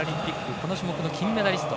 この種目の金メダリスト